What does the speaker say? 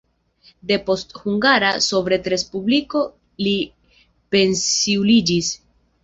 Depost Hungara Sovetrespubliko li pensiuliĝis.